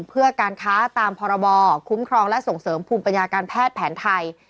เพื่อการค้าตามพรบคุ้มครองและส่งเสริมภูมิปัญญาการแพทย์แผนไทย